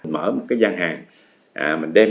mở một cái gian hàng mình đem